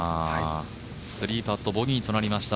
３パット、ボギーとなりました。